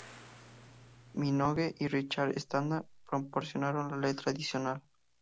Minogue y Richard Stannard proporcionaron la letra adicional.